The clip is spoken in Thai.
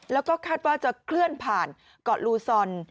แล้วก็คาดว่าจะเคลื่อนผ่านเกาะลูซอน